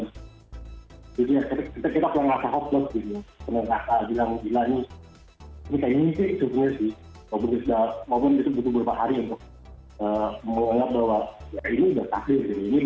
walaupun itu butuh beberapa hari untuk melihat bahwa ini sudah takdir